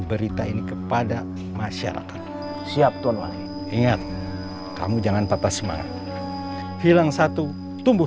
berita ini kepada masyarakat siap tuan wali ingat kamu jangan patah semangat hilang satu tumbuh